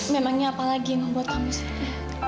memangnya apa lagi yang membuat kamu senang